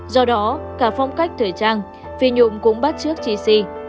do đó cả phong cách thời trang phi nhung cũng bắt trước chi si